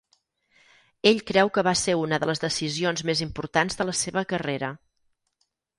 Ell creu que va ser una de les decisions més importants de la seva carrera.